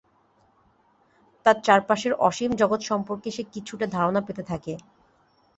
তার চারপাশের অসীম জগৎ সম্পর্কে সে কিছুটা ধারণা পেতে থাকে।